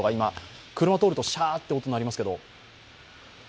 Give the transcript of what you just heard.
車通るとシャーっと音が鳴ってますけど。